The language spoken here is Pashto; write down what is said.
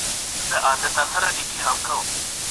چي ما فکر نه کاوه بیرته به راکښته سي.